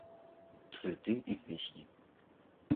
Цветы и песни.